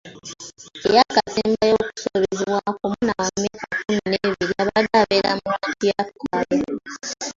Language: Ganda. Eyakasembayo okusobezebwako mwana w'amyaka kkumi n'ebiri abadde abeera ku ranch ya Kaaya.